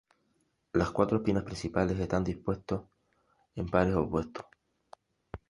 Los cuatro espinas principales están dispuestos en pares opuestos.